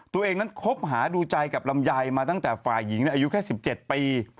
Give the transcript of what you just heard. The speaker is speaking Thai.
ตัวเองนั้นคบหาดูใจกับลำไยมาตั้งแต่ฝ่ายหญิงอายุแค่๑๗ปี